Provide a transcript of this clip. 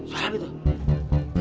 suara apa itu